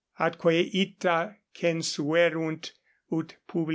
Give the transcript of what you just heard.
Atque ita censuerunt, ut P.